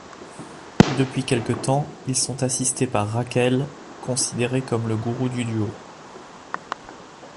Depuis quelque temps, ils sont assistés par Raquel, considérée comme le gourou du duo.